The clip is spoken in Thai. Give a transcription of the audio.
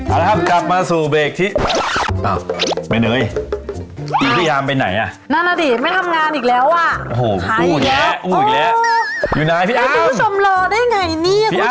เอาละครับกลับมาสู่เพลงที่